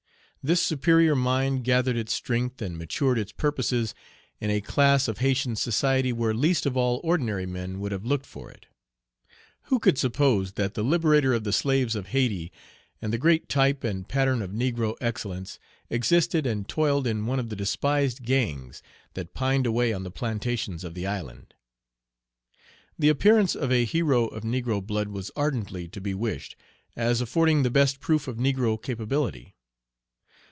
This superior mind gathered its strength and matured its purposes in a class of Haytian society where least of all ordinary men would have looked for it. Who could suppose that the liberator of the slaves of Hayti, and the great type and pattern of negro excellence, existed and toiled in one of the despised gangs that pined away on the plantations of the island? The appearance of a hero of negro blood was ardently to be wished, as affording the best proof of negro capability.